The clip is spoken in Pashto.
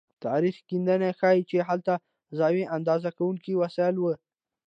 تاریخي کیندنې ښيي چې هلته زاویه اندازه کوونکې وسیله وه.